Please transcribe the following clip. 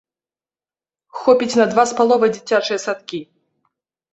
Хопіць на два з паловай дзіцячыя садкі.